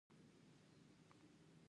هغوی د ټولنې وړتیا بندوله.